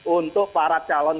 untuk para calon